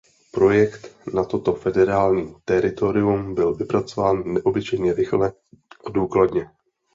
Projekt na toto federální teritorium byl vypracován neobyčejně rychle a důkladně.